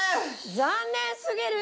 残念すぎる！